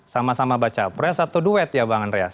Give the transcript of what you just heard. sama sama baca pres atau duet ya bang andreas